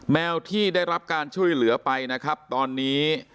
แมวที่ได้รับการช่วยเหลือไปนะครับตอนนี้